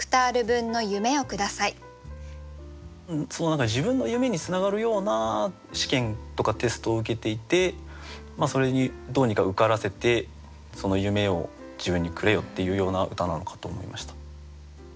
何か自分の夢につながるような試験とかテストを受けていてそれにどうにか受からせてその夢を自分にくれよっていうような歌なのかと思いました。